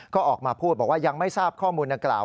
ก็ออกมาพูดบอกว่ายังไม่ทราบข้อมูลดังกล่าว